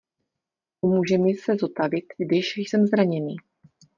Pomůže mi se zotavit, když jsem zraněný.